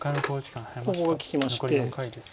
ここが利きまして。